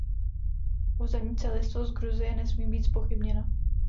Územní celistvost Gruzie nesmí být zpochybněna.